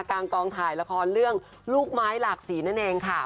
กองถ่ายละครเรื่องลูกไม้หลากสีนั่นเองค่ะ